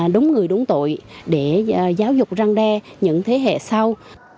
đúng người đúng tội để giáo dục răng đe những thế hệ sau